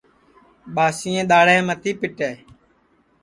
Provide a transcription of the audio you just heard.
ٻاسئیں دؔاڑھیں متی پیٹے